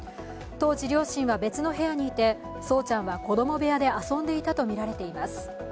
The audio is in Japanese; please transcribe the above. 当時、両親は別の部屋にいて、聡ちゃんは子供部屋で遊んでいたとみられています。